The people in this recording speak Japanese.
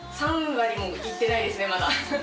３割もいってないですねまだ。